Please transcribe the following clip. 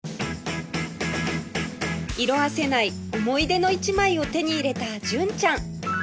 色あせない思い出の一枚を手に入れた純ちゃん